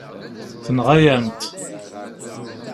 Tenɣa-yam-t.